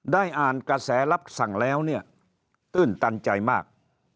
ได้อ่านกระแสรับสั่งแล้วเนี่ยตื้นตันใจมาก